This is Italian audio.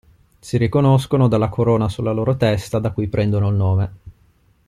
Si riconoscono dalla corona sulla loro testa da cui prendono il nome.